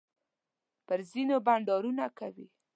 پر زینو بنډارونه کوي.